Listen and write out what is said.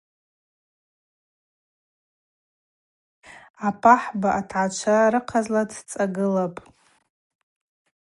Апахӏба атгӏачва рыхъазла дцӏагылапӏ.